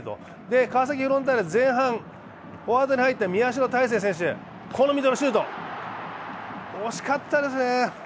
川崎フロンターレ、前半フォワードに入った宮代大聖選手このミドルシュート、惜しかったですね。